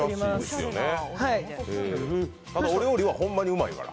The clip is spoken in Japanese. ただ、お料理はほんまにうまいから。